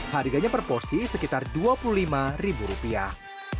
harganya per porsi sekitar dua puluh lima ribu rupiah